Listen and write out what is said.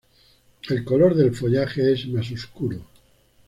El color del follaje es más oscuro.